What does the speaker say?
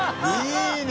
いいね！